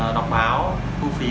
đọc báo thu phí